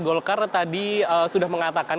golkar tadi sudah mengatakan